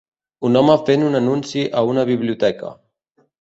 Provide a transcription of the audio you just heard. Un home fent un anunci a una biblioteca.